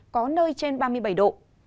có nơi trên ba mươi bảy độ